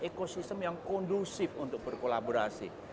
ekosistem yang kondusif untuk berkolaborasi